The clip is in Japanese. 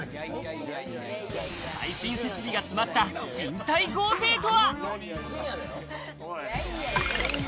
最新設備が詰まった賃貸豪邸とは？